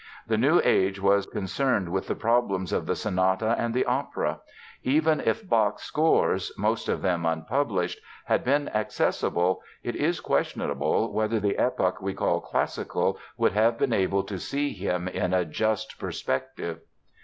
The new age was concerned with the problems of the sonata and the opera. Even if Bach's scores—most of them unpublished—had been accessible, it is questionable whether the epoch we call "classical" would have been able to see him in a just perspective.